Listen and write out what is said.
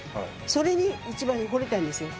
それに一番にほれたんですよ